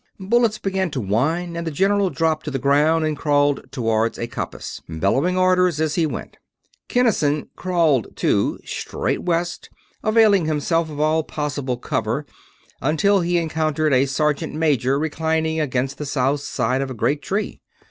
Bullets began to whine and the general dropped to the ground and crawled toward a coppice, bellowing orders as he went. Kinnison crawled, too, straight west, availing himself of all possible cover, until he encountered a sergeant major reclining against the south side of a great tree.